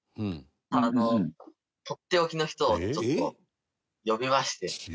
とっておきの人をちょっと呼びまして。